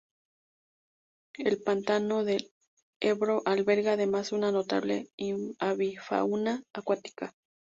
El pantano del Ebro alberga además una notable avifauna acuática.